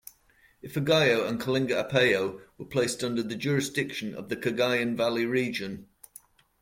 Ifugao and Kalinga-Apayao were placed under the jurisdiction of the Cagayan Valley region.